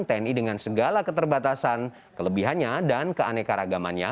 tni dengan segala keterbatasan kelebihannya dan keanekaragamannya